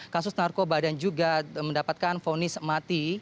kasus narkoba dan juga mendapatkan vonis mati